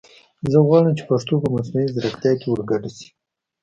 زه غواړم چې پښتو په مصنوعي زیرکتیا کې ور ګډه شي